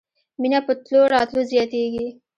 مینه په تلو راتلو زیاتیږي